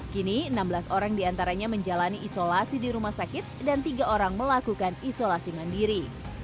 kini enam belas orang diantaranya menjalani isolasi di rumah sakit dan tiga orang melakukan isolasi mandiri